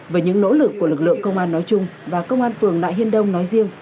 với những nỗ lực của lực lượng công an nói chung và công an phường nại hiên đông nói riêng